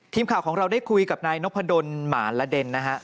ทีมข่าวของเราได้คุยกับนายนพดลหมาละเด็นนะฮะ